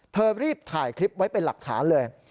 รีบถ่ายคลิปไว้เป็นหลักฐานเลย